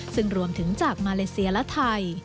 ซึ่งรวมถึงจากมาเลเซียและไทย